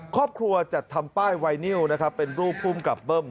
ครอบครัวจัดทำป้ายไวนิวนะครับเป็นรูปภูมิกับเบิ้ม